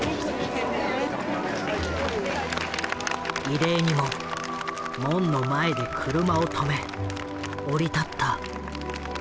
異例にも門の前で車を止め降り立った。